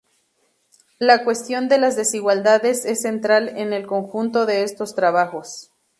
La cuestión de las desigualdades es central en el conjunto de estos trabajos.